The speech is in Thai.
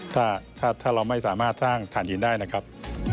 ถ้าเราไม่สามารถสร้างฐานหินได้นะครับ